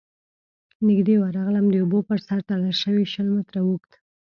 ، نږدې ورغلم، د اوبو پر سر تړل شوی شل متره اوږد،